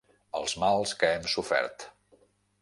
Els mals que hem sofert.